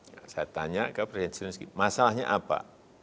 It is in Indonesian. saya tanya ke presiden masalahnya apa